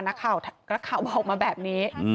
นักข่าวบอกมาแบบนี้